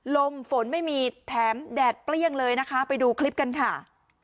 ลมฝนไม่มีแถมแดดเปรี้ยงเลยนะคะไปดูคลิปกันค่ะ